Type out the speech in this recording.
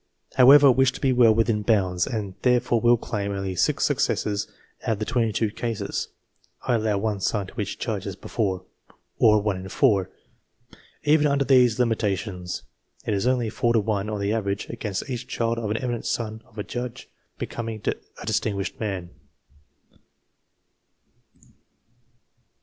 However, I wish to be well within bounds, and therefore will claim only six successes out of the 22 cases (I allow one son to each judge, as before), or 1 in 4. Even under these limita tions it is only 4 to 1, on the average, against each child of an eminent son of a judge becoming a distin guished man.